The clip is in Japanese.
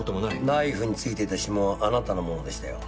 ナイフに付いてた指紋あなたのものでしたよ。